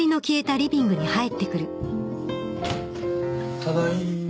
ただいま。